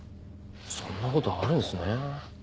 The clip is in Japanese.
そんな事あるんですね。